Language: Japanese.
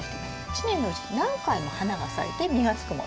一年のうちに何回も花が咲いて実がつくもの。